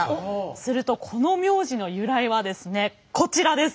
するとこの名字の由来はですねこちらです。